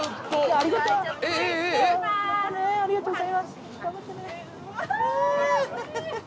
ありがとうございます。